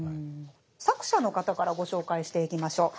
作者の方からご紹介していきましょう。